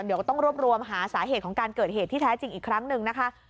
เดี๋ยวก็ต้องรวบรวมหาสาเหตุของการเกิดเหตุที่แท้จริงอีกครั้งหนึ่งนะคะ